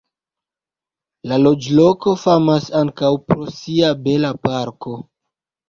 La loĝloko famas ankaŭ pro sia bela parko.